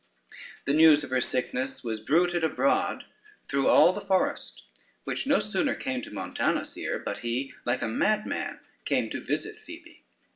The news of her sickness was bruited abroad through all the forest, which no sooner came to Montanus' ear, but he, like a madman, came to visit Phoebe.